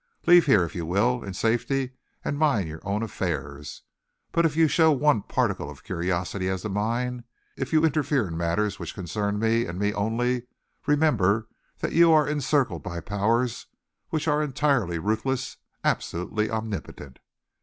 Leave here, if you will, in safety, and mind your own affairs; but if you show one particle of curiosity as to mine, if you interfere in matters which concern me and me only, remember that you are encircled by powers which are entirely ruthless, absolutely omnipotent.